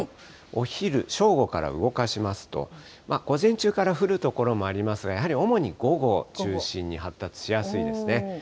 お昼、正午から動かしますと、午前中から降る所もありますが、やはり主に午後中心に発達しやすいですね。